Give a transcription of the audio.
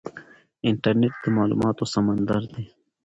انټرنیټ د معلوماتو سمندر دی.